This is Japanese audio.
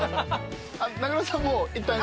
名倉さんもういったん。